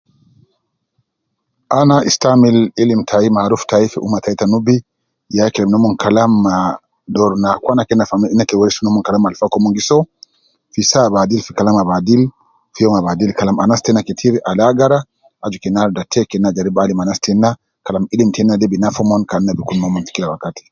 Ana istamil ilim tai ma aruf tai fi umma tai ta nubi, ya kelem noomon kalam ma dooru ne akwana kena fahamisha ,nake wonus noomon kalam al fa koomon gi soo, fi saa ab adil, fi kalam ab adil fi youm ab adil kalam anas tena ketir al agara aju kena arija te, kena jaribu alim anas tena kalam ilim tena de bi nafa omon kan ina bikun moomon fi kila wakati